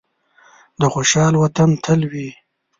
د خوشحال وطن تل وي.